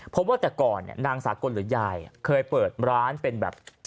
เพราะว่าแต่ก่อนนางสากลหรือยายเคยเปิดร้านเป็นแบบ